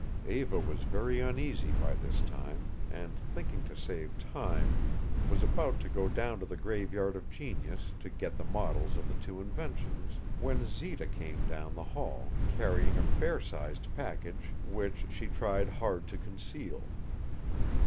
Eva was very uneasy by this time, and, thinking to save time, was about to go down to the Graveyard of Genius to get the models of the two inventions, when Zita came down the hall carrying a fair sized package which she tried hard to conceal.